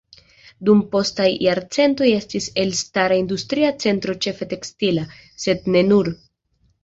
Dum postaj jarcentoj estis elstara industria centro ĉefe tekstila, sed ne nur.